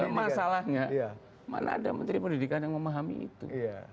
masalahnya mana ada menteri pendidikan yang memahami itu